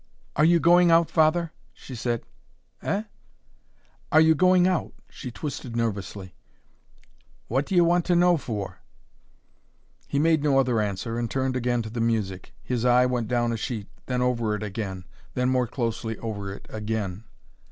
"Are you going out, Father?" she said. "Eh?" "Are you going out?" She twisted nervously. "What do you want to know for?" He made no other answer, and turned again to the music. His eye went down a sheet then over it again then more closely over it again.